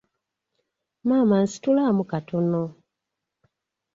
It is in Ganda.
Maama nsitulaamu katono.